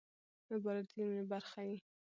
عبارت د جملې برخه يي.